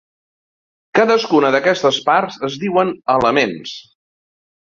Cadascuna d'aquestes parts es diuen elements.